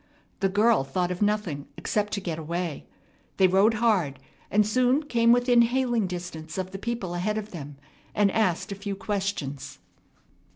The girl thought of nothing except to get away. They rode hard, and soon came within hailing distance of the people ahead of them, and asked a few questions.